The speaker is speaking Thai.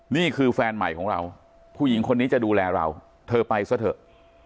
นี่คือแฟนใหม่ของเราผู้หญิงคนนี้จะดูแลเราเธอไปซะเถอะ